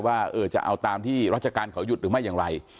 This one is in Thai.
ว่าจะเอาตามที่ราชการเขาหยุดหรือไม่อย่างไร